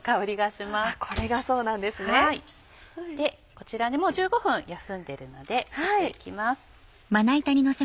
こちらもう１５分休んでるので切って行きます。